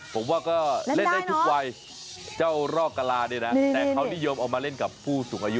ผมว่าก็เล่นได้ทุกวัยเจ้ารอกกะลาเนี่ยนะแต่เขานิยมเอามาเล่นกับผู้สูงอายุ